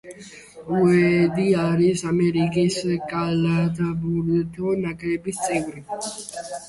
უეიდი არის ამერიკის საკალათბურთო ნაკრების წევრი.